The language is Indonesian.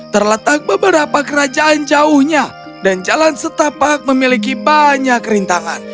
terletak beberapa kerajaan jauhnya dan jalan setapak memiliki banyak rintangan